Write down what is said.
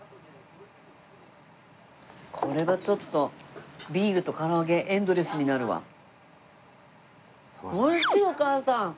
これはちょっとビールと唐揚げエンドレスになるわ。